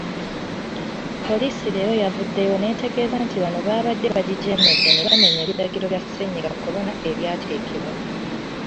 Poliisi leero yavuddeyo netegeeza nti bano babadde bagijeemedde nebamenya ebiragiro bya sennyiga kolona ebyateekebwa.